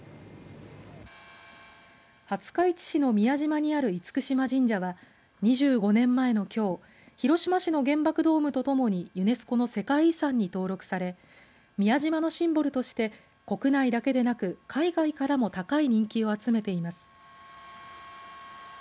廿日市市の宮島にある厳島神社は、２５年前のきょう広島市の原爆ドームとともにユネスコの世界遺産に登録され宮島のシンボルとして国内だけでなく海外からも高い人気を集めています。